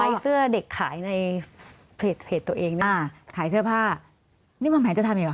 ไล่เสื้อเด็กขายในเพจตัวเองอ่าขายเสื้อผ้านี่มันแผนจะทำอยู่